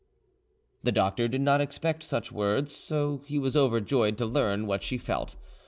The doctor did not expect such words, so he was overjoyed to learn what she felt.